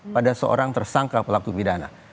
pada seorang tersangka pelaku pidana